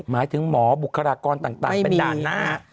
หมายถึงหมอบุคลากรต่างเป็นด่านหน้า